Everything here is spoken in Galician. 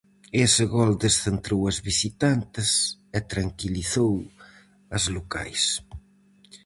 Ese gol descentrou as visitantes e tranquilizou as locais.